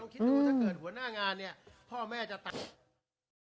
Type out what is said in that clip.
คิดดูถ้าเกิดหัวหน้างานเนี่ยพ่อแม่จะตัด